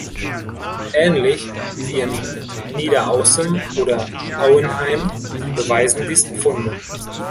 Ähnlich wie in Niederaußem oder Auenheim beweisen dies Funde.